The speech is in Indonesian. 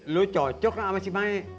lu cocok gak sama si maek